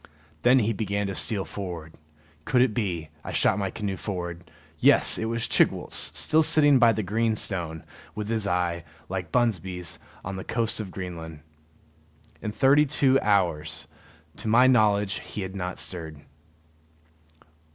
Then he began to steal forward. Could it be I shot my canoe forward yes, it was Chigwooltz, still sitting by the green stone, with his eye, like Bunsby's, on the coast of Greenland. In thirty two hours, to my knowledge, he had not stirred.